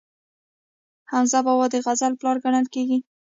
حمزه بابا د غزل پلار ګڼل کیږي.